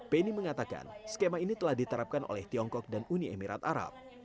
penny mengatakan skema ini telah diterapkan oleh tiongkok dan uni emirat arab